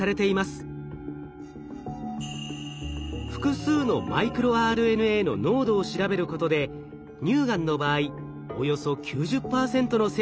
複数のマイクロＲＮＡの濃度を調べることで乳がんの場合およそ９０％の精度でがんを検出。